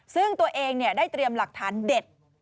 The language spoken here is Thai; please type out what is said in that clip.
ซึ่งตัวเองได้เตรียมหลักฐานเด็ด